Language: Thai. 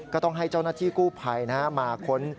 ก็ต้องให้เจ้าหน้าที่กู้ภัยมาค้น